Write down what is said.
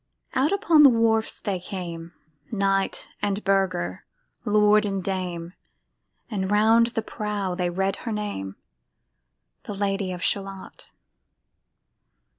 Out upon the wharfs they came, Knight and burgher, lord and dame, And around the prow they read her name, The Lady of Shalott.